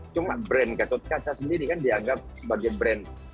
cuma brand gatot kaca sendiri kan dianggap sebagai brand